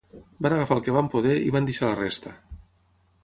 Van agafar el que van poder i van deixar la resta.